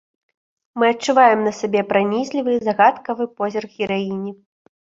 Мы адчуваем на сабе пранізлівы, загадкавы позірк гераіні.